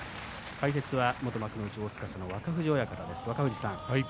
解説は元幕内、皇司の若藤親方です。